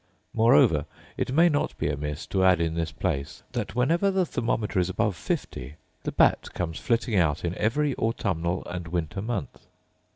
Moreover, it may not be amiss to add in this place, that whenever the thermometer is above 50 the bat comes flitting out in every autumnal and winter month.